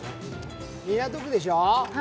港区でしょ？